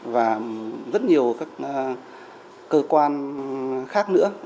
và rất nhiều các cơ quan khác nữa